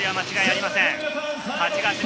勝利は間違いありません。